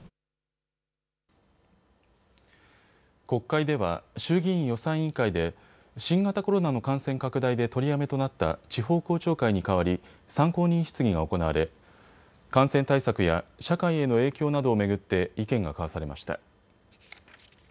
国会では衆議院予算委員会で新型コロナの感染拡大で取りやめとなった地方公聴会に代わり参考人質疑が行われ感染対策や社会への影響などを巡って意見が交わされました。